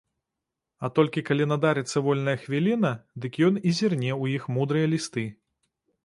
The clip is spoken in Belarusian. А толькі калі надарыцца вольная хвіліна, дык ён і зірне ў іх мудрыя лісты.